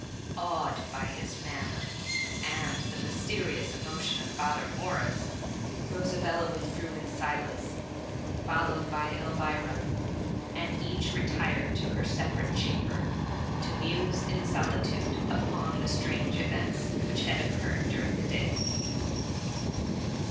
*" Awed by his manner, and the mysterious 104 THE MUMMY. Amotion of Father Morris, Rosabella withdrew in silence, followed by Elvira, and each retired to her separate chamber, to muse in solitude upon the strange events which had occurred during the day.